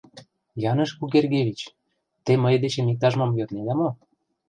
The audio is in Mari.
— Яныш Кугергевич, те мый дечем иктаж-мом йоднеда мо?